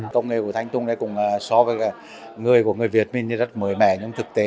công nghệ của thanh tùng này cũng so với người của người việt mình rất mới mẻ trong thực tế